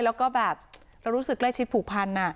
แล้วก็แบบเรารู้สึกใกล้ชิดผูกพัน